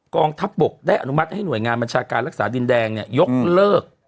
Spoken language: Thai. กองทัพบกได้อนุมัติให้หน่วยงานบัญชาการรักษาดินแดงยกเลิก